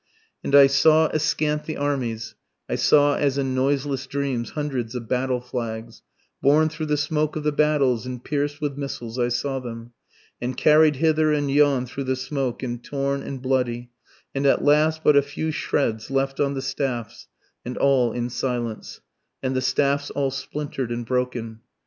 And I saw askant the armies, I saw as in noiseless dreams hundreds of battle flags, Borne through the smoke of the battles and pierc'd with missiles I saw them, And carried hither and yon through the smoke, and torn and bloody, And at last but a few shreds left on the staffs (and all in silence), And the staffs all splintered and broken.